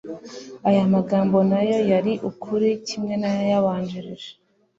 Aya magambo nayo yari ukuri kimwe n'ayayabanjirije,